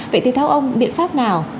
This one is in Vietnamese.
vậy thì theo ông biện pháp nào